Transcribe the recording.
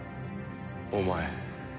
お前。